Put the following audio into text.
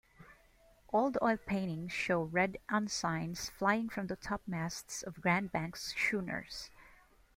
Old oil paintings show red ensigns flying from the topmasts of Grand Banks schooners.